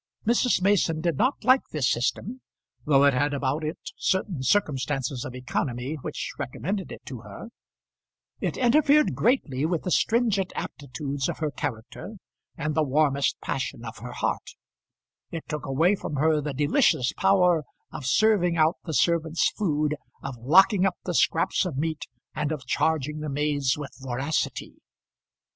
Mrs. Mason did not like this system, though it had about it certain circumstances of economy which recommended it to her; it interfered greatly with the stringent aptitudes of her character and the warmest passion of her heart; it took away from her the delicious power of serving out the servants' food, of locking up the scraps of meat, and of charging the maids with voracity.